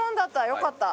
よかった！